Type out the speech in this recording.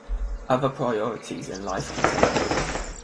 Other priorities in life can take over.